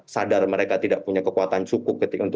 sadar mereka tidak punya kekuatan cukup untuk